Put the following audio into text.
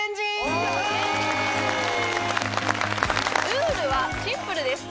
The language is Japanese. ルールはシンプルです